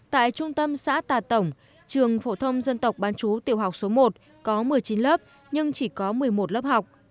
tại trung tâm xã tà tổng trường phổ thông dân tộc bán chú tiểu học số một có một mươi chín lớp nhưng chỉ có một mươi một lớp học